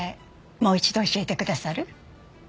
もう一度教えてくださる？